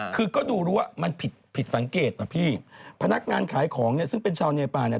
คือก็ดูรู้ว่ามันผิดผิดสังเกตนะพี่พนักงานขายของเนี่ยซึ่งเป็นชาวเนปาเนี่ย